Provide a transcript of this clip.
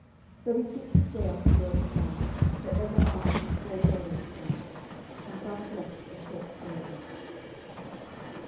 So he took his way unto Joyous Gard, that ever after he called Dolorous Gard, and thus left the court for ever.